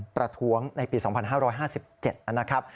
ประท้วงในปี๒๕๕๗นะครับ